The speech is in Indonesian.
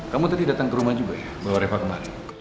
kamu tadi datang ke rumah juga ya bawa reva kemarin